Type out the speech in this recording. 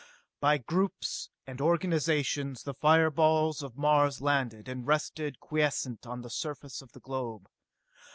By groups and organisations the fire balls of Mars landed, and rested quiescent on the surface of the globe.